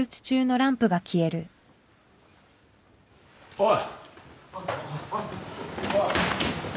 おい！